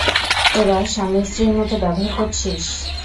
তোরা স্বামী স্ত্রীর মতো ব্যবহার করছিস।